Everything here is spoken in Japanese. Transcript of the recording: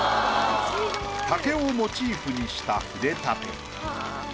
竹をモチーフにした筆立て。